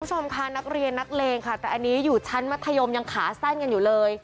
คุณผู้ชมค่ะนักเรียนนักเลงค่ะแต่อันนี้อยู่ชั้นมัธยมยังขาสั้นกันอยู่เลย